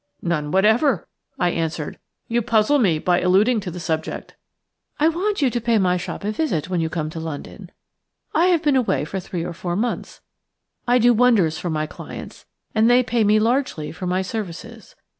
"None whatever," I answered. "You puzzle me by alluding to the subject." "I want you to pay my shop a visit when you come to London. I have been away for three or four months. I do wonders for my clients, and they pay me largely for my services.